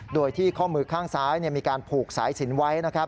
โดยที่ข้อมือข้างซ้ายมีการผูกสายสินไว้นะครับ